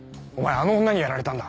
あの女にやられたんだ。